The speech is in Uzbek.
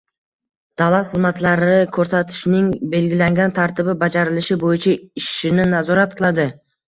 davlat xizmatlari ko’rsatishning belgilangan tartibi bajarilishi bo’yicha ishini nazorat qiladi.